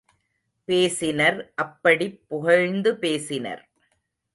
பேசினர், அப்படிப் புகழ்ந்து பேசினர்.